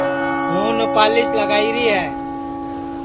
ہوں نُپالیس لگائیری ہے